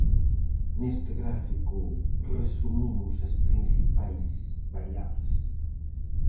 Neste gráfico resumimos as principais variables.